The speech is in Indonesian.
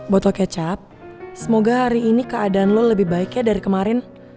boto kecap semoga hari ini keadaan lo lebih baiknya dari kemarin